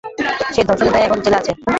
সে ধর্ষণের দায়ে এখন জেলে আছে।